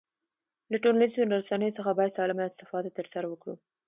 له ټولنیزو رسنیو څخه باید سالمه استفاده ترسره وکړو